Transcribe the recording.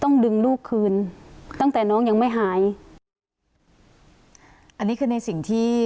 ต้องดึงลูกคืนตั้งแต่น้องยังไม่หายอันนี้คือในสิ่งที่